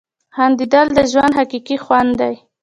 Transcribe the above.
• خندېدل د ژوند حقیقي خوند دی.